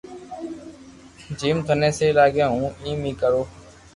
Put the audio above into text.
جيم ٿني سھي لاگي ھون ايم اي ڪرو